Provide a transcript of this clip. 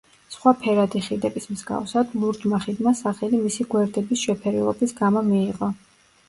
სხვა ფერადი ხიდების მსგავსად, ლურჯმა ხიდმა სახელი მისი გვერდების შეფერილობის გამო მიიღო.